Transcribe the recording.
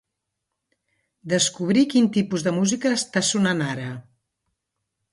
Descobrir quin tipus de música està sonant ara.